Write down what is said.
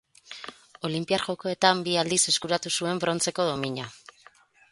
Olinpiar Jokoetan bi aldiz eskuratu zuen brontzeko domina.